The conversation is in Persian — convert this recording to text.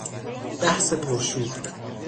بحث پر شور